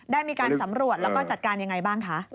ได้มีการสำรวจแล้วก็จัดการยังไงบ้างคะ